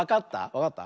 わかった？